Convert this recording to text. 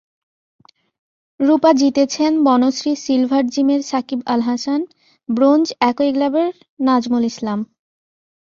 রুপা জিতেছেন বনশ্রীর সিলভার জিমের সাকিব আল-হাসান, ব্রোঞ্জ একই ক্লাবের নাজমুল ইসলাম।